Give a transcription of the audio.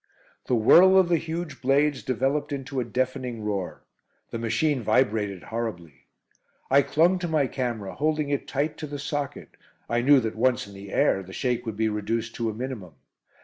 The whirl of the huge blades developed into a deafening roar. The machine vibrated horribly. I clung to my camera, holding it tight to the socket. I knew that once in the air the shake would be reduced to a minimum.